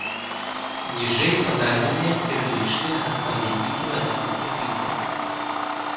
Ніжэй пададзеныя кірылічныя адпаведнікі лацінскіх літар.